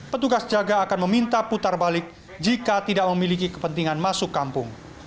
petugas jaga akan meminta putar balik jika tidak memiliki kepentingan masuk kampung